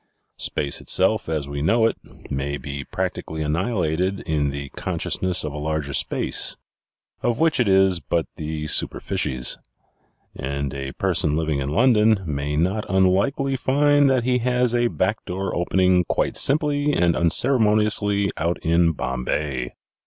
Space itself, as we know it, may be practically annihilated in the consciousness of a larger space, of which it is but the superficies; and a person living in London may not un likely find that he has a back door opening quite simply and unceremoniously out in Bombay."